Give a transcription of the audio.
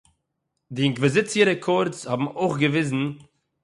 די אינקוויזיציע רעקאָרדס האָבן אויך געוויזן